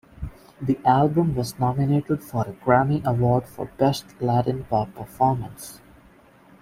The album was nominated for a Grammy Award for Best Latin Pop Performance.